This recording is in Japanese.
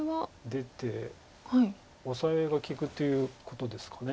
出てオサエが利くということですか。